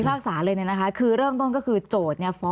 เพราะถ้าเข้าไปอ่านมันจะสนุกมาก